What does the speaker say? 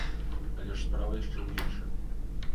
Але ж справа яшчэ ў іншым.